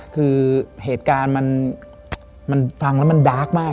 คือเหตุการณ์มันฟังแล้วมันดาร์กมาก